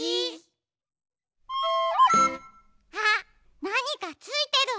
あっなにかついてる！